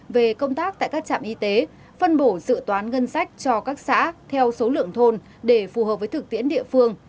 về công tác tại các trạm y tế phân bổ dự toán ngân sách cho các xã theo số lượng thôn để phù hợp với thực tiễn địa phương